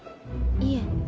いえ。